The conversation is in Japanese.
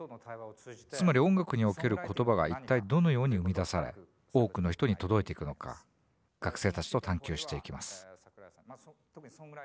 つまり音楽における言葉が一体どのように生み出され多くの人に届いていくのか学生たちと探求していきます